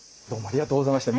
ありがとうございます。